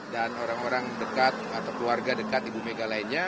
dan orang orang dekat atau keluarga dekat ibu megawati soekarno putri lainnya